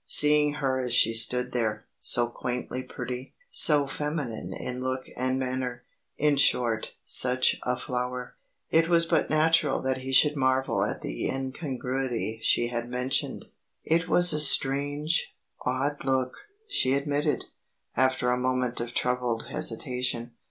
Seeing her as she stood there, so quaintly pretty, so feminine in look and manner in short, such a flower it was but natural that he should marvel at the incongruity she had mentioned. "It has a strange, odd look," she admitted, after a moment of troubled hesitation.